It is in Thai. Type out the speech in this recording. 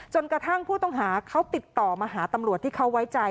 จนกระทั่งผู้ต้องหาเขาติดต่อมาหาตำรวจที่เขาไว้ใจ